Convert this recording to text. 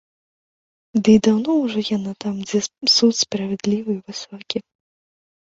Ды і даўно ўжо яна там, дзе суд справядлівы, высокі.